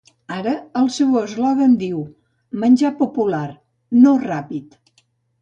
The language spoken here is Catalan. Ara, el seu nou eslògan diu: "Menjar popular, no ràpid".